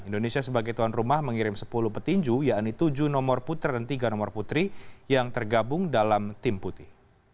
indonesia sebagai tuan rumah mengirim sepuluh petinju yaitu tujuh nomor putra dan tiga nomor putri yang tergabung dalam tim putih